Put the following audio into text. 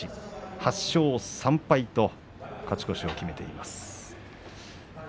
８勝３敗と勝ち越しを決めています。